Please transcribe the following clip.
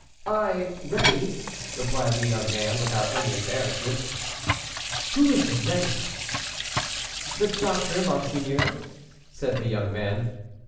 "I, Rémy," replied the young man, without any embarrassment. "Who is Rémy?" "The doctor, monseigneur," said the young man.